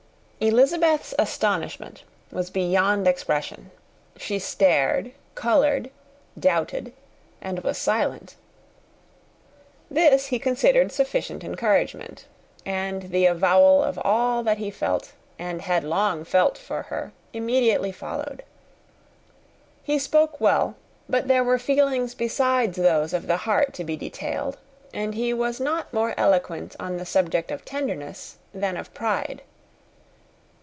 Elizabeth's astonishment was beyond expression. She stared, coloured, doubted, and was silent. This he considered sufficient encouragement, and the avowal of all that he felt and had long felt for her immediately followed. He spoke well; but there were feelings besides those of the heart to be detailed, and he was not more eloquent on the subject of tenderness than of pride.